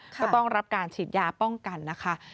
ก็ต้องรับการฉีดยาป้องกันนะคะ